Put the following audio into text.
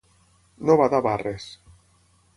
No badar barres.